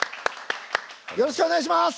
よろしくお願いします！